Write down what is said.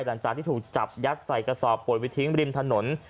หลังจากที่ถูกจับยัดใส่กระสอบปูยกันไปทิ้งขึ้นไปดินถนน